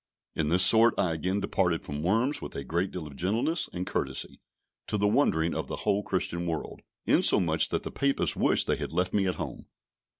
In this sort I again departed from Worms with a great deal of gentleness and courtesy, to the wondering of the whole Christian world, insomuch that the Papists wished they had left me at home.